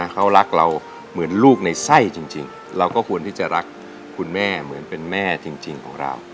เขารักเราเหมือนลูกในไส้จริงเราก็ควรที่จะรักคุณแม่เหมือนเป็นแม่จริงของเรา